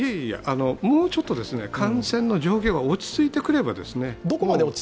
もうちょっと感染の状況が落ち着いてくれば。